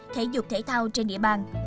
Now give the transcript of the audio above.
thể dục thể thao trên địa bàn